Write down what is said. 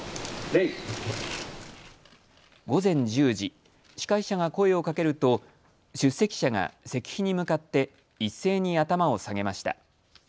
午前１０時、司会者が声をかけると出席者が石碑に向かって一斉に頭を下げました。